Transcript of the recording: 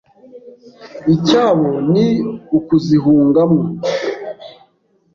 Icyabo ni ukuzihunga mwo